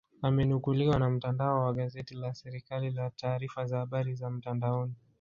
Amenukuliwa na mtandao wa gazeti la serikali la taarifa za habari za mtandaoni